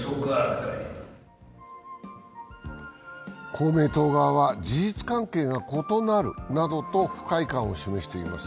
公明党側は事実関係が異なるなどと不快感を示しています。